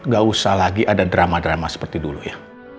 gak usah lagi ada drama drama seperti dulu ya